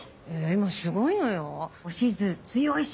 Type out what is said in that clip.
今すごいのよおしず強いしさ。